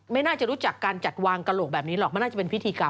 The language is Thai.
ไม่น่าจะรู้จักการจัดวางกระโหลกแบบนี้หรอกมันน่าจะเป็นพิธีกรรม